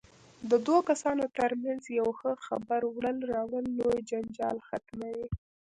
د دوو کسانو ترمنځ یو ښه خبر وړل راوړل لوی جنجال ختموي.